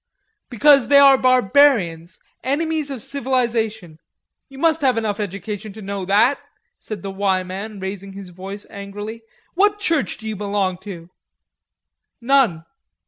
"Because they are barbarians, enemies of civilization. You must have enough education to know that," said the "Y" man, raising his voice angrily. "What church do you belong to?" "None."